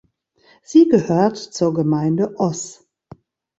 Sie gehört zur Gemeinde Oss.